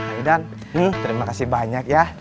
aidan nih terima kasih banyak ya